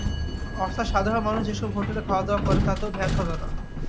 অর্থাৎ সাধারণ মানুষ যেসব হোটেলে খাওয়াদাওয়া করে, তাতেও ভ্যাট হবে না।